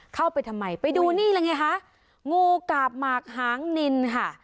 เข้าไปทำไมไปดูนี่เลยไงคะงูกาบหมากหางนินค่ะ